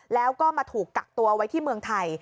แล้วก็มาถูกกักตัวไว้ที่เมืองไทย